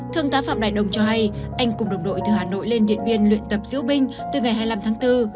thương tá phạm đại đồng cho hay anh cùng đồng đội từ hà nội lên điện biên luyện tập diễu binh từ ngày hai mươi năm tháng bốn